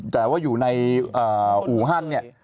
แต่ว่าอยู่ในอู่ฮั่นเนี่ย